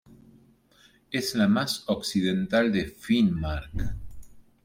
Es la más occidental de Finnmark.